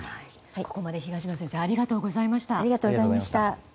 ここまで、東野先生ありがとうございました。